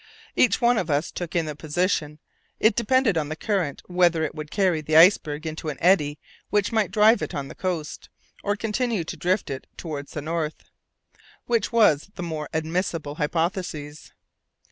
Each one of us took in the position. It depended on the current whether it would carry the iceberg into an eddy which might drive it on the coast, or continue to drift it towards the north. Which was the more admissible hypothesis?